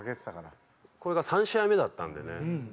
これが３試合目だったのでね